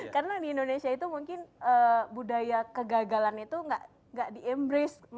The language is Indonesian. karena di indonesia itu mungkin budaya kegagalan itu gak di embrace